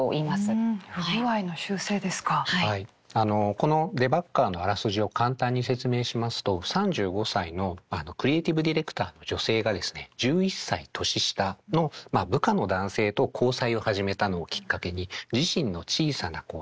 この「デバッガー」のあらすじを簡単に説明しますと３５歳のクリエイティブディレクターの女性がですね１１歳年下の部下の男性と交際を始めたのをきっかけに自身の小さな変化